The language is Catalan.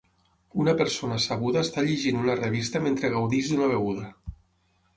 Una persona sabuda està llegint una revista mentre gaudeix d'una beguda